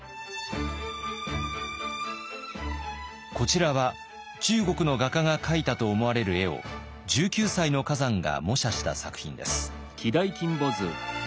こちらは中国の画家が描いたと思われる絵を１９歳の崋山が模写した作品です。